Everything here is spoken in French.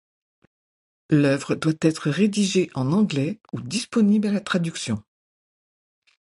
L'œuvre doit être rédigée en anglais ou disponible à la traduction.